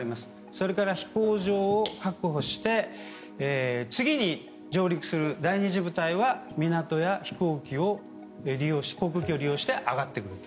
それから、飛行場を確保して次に上陸する第２次部隊は、港や飛行機航空機を利用して上がってくると。